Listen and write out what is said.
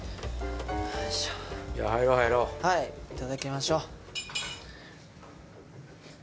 はいいただきましょう。